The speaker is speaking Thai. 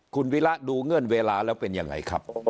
คุณวิระดูเงื่อนเวลาแล้วเป็นยังไงครับ